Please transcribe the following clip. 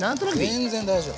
全然大丈夫。